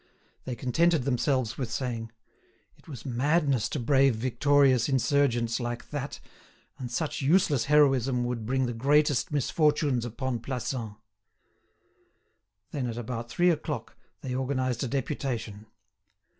They contented themselves with saying "It was madness to brave victorious insurgents like that, and such useless heroism would bring the greatest misfortunes upon Plassans." Then, at about three o'clock, they organised a deputation.